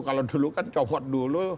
kalau dulu kan copot dulu